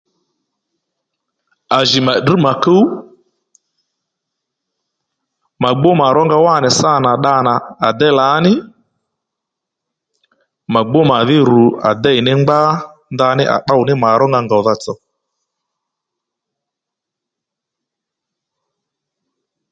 À jì mà tdrř mà kuw mà gbú mà rónga wánì sâ nà dda nà à déy lǎní mà gbú màdhí rù à dě ní ngbá ndaní à tdówò ní mà rónga ngòwdha tsò